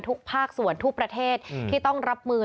ภาคส่วนทุกประเทศที่ต้องรับมือ